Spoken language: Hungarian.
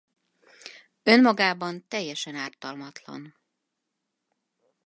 Önmagában teljesen ártalmatlan.